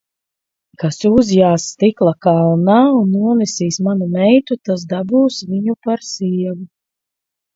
Kas uzjās stikla kalnā un nonesīs manu meitu, tas dabūs viņu par sievu.